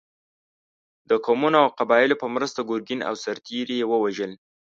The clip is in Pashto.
د قومونو او قبایلو په مرسته ګرګین او سرتېري یې ووژل.